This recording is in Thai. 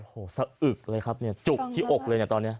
โอ้โหสะอึกเลยครับจุกที่อกเลยตอนนี้